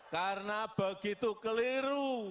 karena begitu keliru